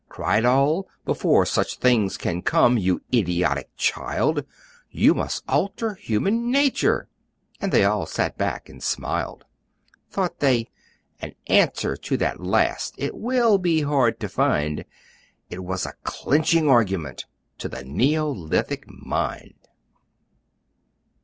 Cried all, "Before such things can come, You idiotic child, You must alter Human Nature!" And they all sat back and smiled: Thought they, "An answer to that last It will be hard to find!" It was a clinching argument To the Neolithic Mind!